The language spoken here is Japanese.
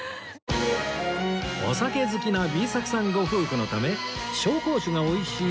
お酒好きな Ｂ 作さんご夫婦のため紹興酒が美味しい